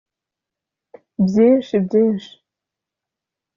byinshi byinshi